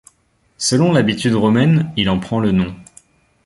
Selon l'habitude romaine, il en prend le nom.